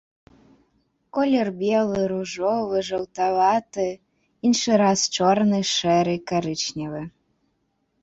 Колер белы, ружовы, жаўтаваты, іншы раз чорны, шэры, карычневы.